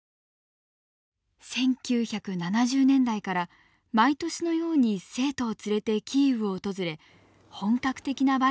１９７０年代から毎年のように生徒を連れてキーウを訪れ本格的なバレエを学ばせました。